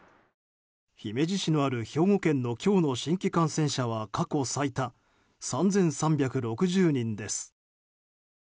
姫路市のある兵庫県の今日の新規感染者は過去最多、３３６０人です。